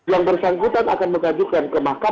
yang bersangkutan akan mengajukan kemahkanan